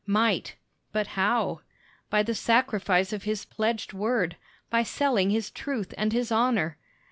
Might, but how? By the sacrifice of his pledged word; by selling his truth and his honor.